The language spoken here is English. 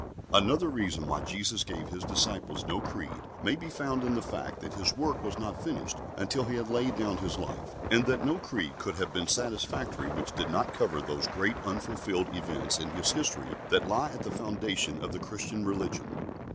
Another reason why Jesus gave His disciples no creed may be found in the fact that His work was not finished until He had laid down His life, and that no creed could have been satisfactory which did not cover those great unfulfilled events in His history that lie at the foundation of the Christian religion.